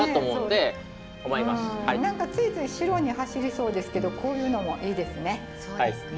何かついつい白に走りそうですけどこういうのもいいですね。